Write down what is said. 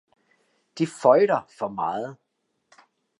De føiter for meget